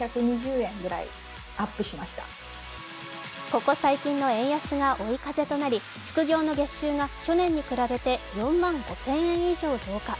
ここ最近の円安が追い風となり、副業の月収が去年に比べて４万５０００円以上増加。